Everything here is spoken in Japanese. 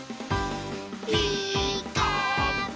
「ピーカーブ！」